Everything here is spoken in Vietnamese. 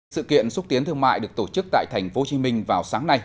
sự kiện xúc tiến thương mại được tổ chức tại thành phố hồ chí minh vào sáng nay